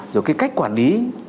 rồi cái cách quản lý